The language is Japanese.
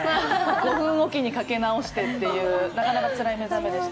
５分置きにかけ直してという、なかなかつらい目覚めでした。